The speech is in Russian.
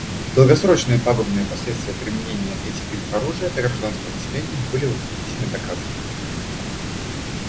Долгосрочные пагубные последствия применения этих видов оружия для гражданского населения были убедительно доказаны.